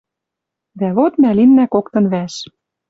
Дӓ вот мӓ линнӓ коктын вӓш.